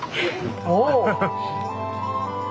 おお。